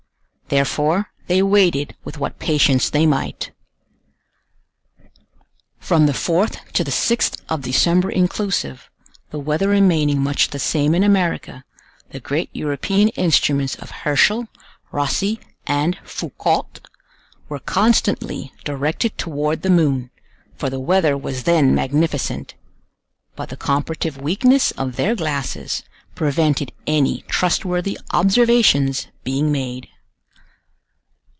Therefore they waited with what patience they might. From the 4th to the 6th of December inclusive, the weather remaining much the same in America, the great European instruments of Herschel, Rosse, and Foucault, were constantly directed toward the moon, for the weather was then magnificent; but the comparative weakness of their glasses prevented any trustworthy observations being made.